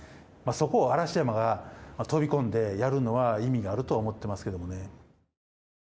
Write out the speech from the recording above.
そこを、嵐山が飛び込んでやるのは、意味があるとは思ってますけれどもね。